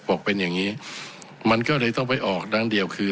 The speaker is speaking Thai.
บอกเป็นอย่างนี้มันก็เลยต้องไปออกด้านเดียวคือ